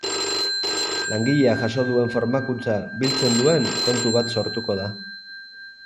Langileak jaso duen formakuntza biltzen duen kontu bat sortuko da.